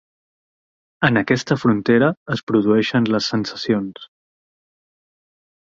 En aquesta frontera es produeixen les sensacions.